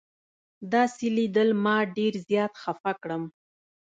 داسې لیدل ما ډېر زیات خفه کړم.